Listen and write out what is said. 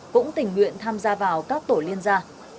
cũng tình nguyện tham gia vào các tổ liên gia